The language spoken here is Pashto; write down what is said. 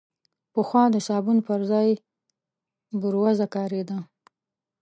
پخوا د صابون پر ځای بوروزه کارېده.